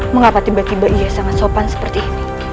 mengapa tiba tiba ia sangat sopan seperti ini